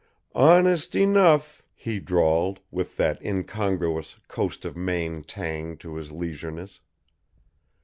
"Honest enough!" he drawled, with that incongruous coast of Maine tang to his leisureliness.